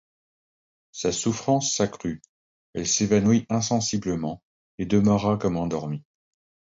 Sa souffrance s’accrut, elle s’évanouit insensiblement, et demeura comme endormie.